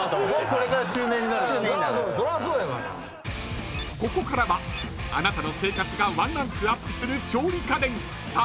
［ここからはあなたの生活がワンランクアップする調理家電３連発］